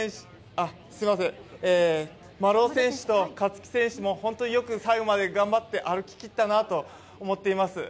丸尾選手と勝木選手も本当によく最後まで頑張って歩き切ったなと思っています。